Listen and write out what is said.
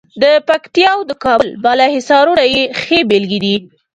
د پکتیا او د کابل بالا حصارونه یې ښې بېلګې دي.